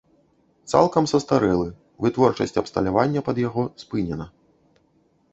Цалкам састарэлы, вытворчасць абсталявання пад яго спынена.